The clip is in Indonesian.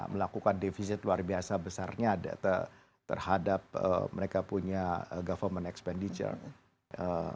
melakukan defisit luar biasa besarnya terhadap mereka punya government expenditure